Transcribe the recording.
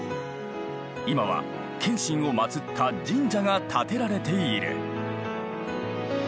今は謙信をまつった神社が建てられている。